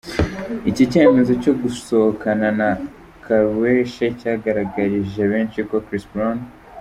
iki kimenyetso cyo gusohokana na Karrueche cyagaragarije benshi ko Chris Brown.